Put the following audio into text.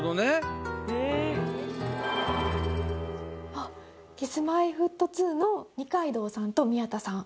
あっＫｉｓ−Ｍｙ−Ｆｔ２の二階堂さんと宮田さん。